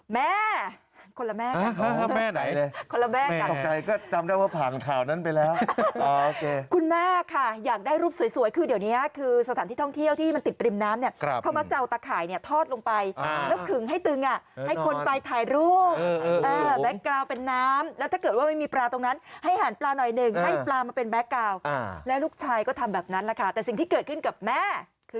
แม่คนละแม่แม่ไหนเลยคนละแม่ก็จำได้ว่าผ่านข่าวนั้นไปแล้วคุณแม่ค่ะอยากได้รูปสวยคือเดี๋ยวเนี้ยคือสถานที่ท่องเที่ยวที่มันติดริมน้ำเนี่ยเขามักจะเอาตะข่ายเนี่ยทอดลงไปแล้วขึงให้ตึงอ่ะให้คนไปถ่ายรูปเป็นน้ำแล้วถ้าเกิดว่าไม่มีปลาตรงนั้นให้หารปลาหน่อยหนึ่งให้ปลามาเป็นแบ็คกราวด์แล้